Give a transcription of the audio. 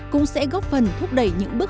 cũng sẽ góp phần thúc đẩy những bước